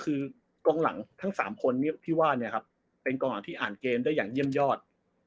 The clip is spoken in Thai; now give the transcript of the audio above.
คือกองหลังทั้ง๓คนที่ว่าเนี่ยครับเป็นกองหลังที่อ่านเกมได้อย่างเยี่ยมยอด